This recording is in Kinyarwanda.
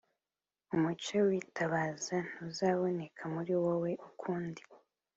Umucyo w’itabaza ntuzaboneka muri wowe ukundi,